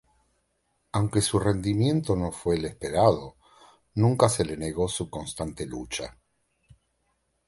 Aunque su rendimiento no fue el esperado, nunca se le negó su constante lucha.